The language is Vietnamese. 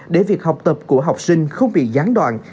để việc học tập của học sinh không bị gián đoạn